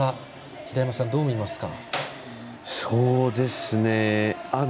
平山さん、どう見ますか？